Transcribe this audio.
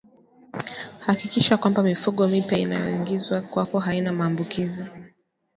Hakikisha kwamba mifugo mipya inayoingizwa kwako haina maambukizi